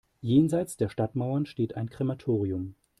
Jenseits der Stadtmauern steht ein Krematorium.